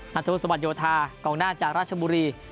นัทธวุสวัสโยธากองหน้าจากราชบุรี